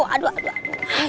aduh aduh aduh